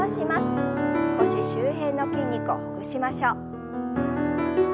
腰周辺の筋肉をほぐしましょう。